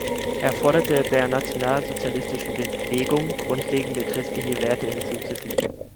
Er forderte, der nationalsozialistischen Bewegung grundlegende christliche Werte hinzuzufügen.